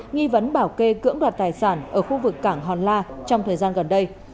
nghi vấn bảo kê cưỡng đoạt tài sản ở khu vực cảng hòn la trong thời gian gần đây